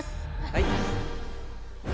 はい。